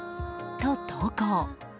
と、投稿。